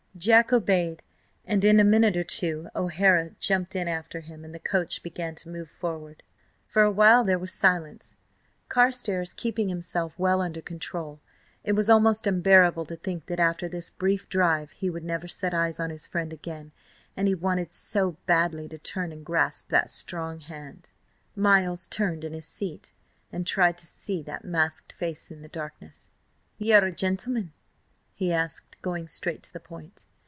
Jack obeyed, and in a minute or two O'Hara jumped in after him, and the coach began to move forward. For a while there was silence, Carstares keeping himself well under control. It was almost unbearable to think that after this brief drive he would never set eyes on his friend again, and he wanted so badly to turn and grasp that strong hand. ... Miles turned in his seat and tried to see the masked face in the darkness. "Ye are a gentleman?" he asked, going straight to the point.